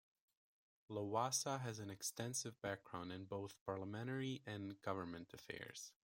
Lowassa has an extensive background in both parliamentary and government affairs.